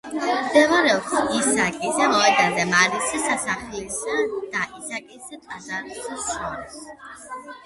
მდებარეობს ისააკის მოედანზე, მარიის სასახლისა და ისააკის ტაძარს შორის.